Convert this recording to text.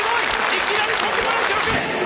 いきなりとんでもない記録！